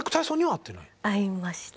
会いました。